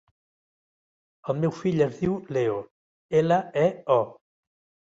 El meu fill es diu Leo: ela, e, o.